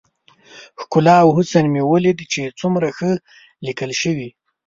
ښکلا او حسن مې وليد چې څومره ښه ليکل شوي.